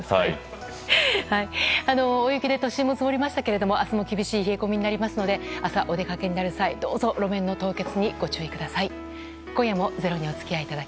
大雪で都心も積もりましたけども明日も厳しい冷え込みになるので朝、お出かけになる際路面の凍結にご注意ください。